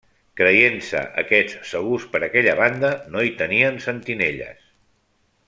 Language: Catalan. Creient-se aquests segurs per aquella banda, no hi tenien sentinelles.